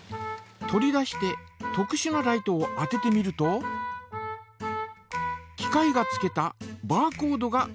取り出して特しゅなライトを当ててみると機械がつけたバーコードがかくにんできます。